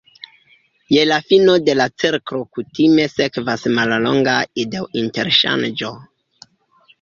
Je la fino de la cirklo kutime sekvas mallonga ideo-interŝanĝo.